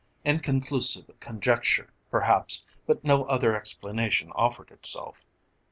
Inconclusive conjecture, perhaps, but no other explanation offered itself.